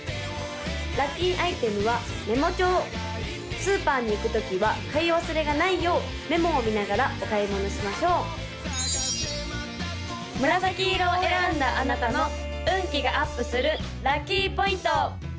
・ラッキーアイテムはメモ帳スーパーに行く時は買い忘れがないようメモを見ながらお買い物しましょう紫色を選んだあなたの運気がアップするラッキーポイント！